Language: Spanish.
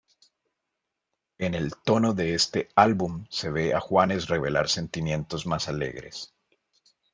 En el tono de este álbum se ve a Juanes revelar sentimientos más alegres.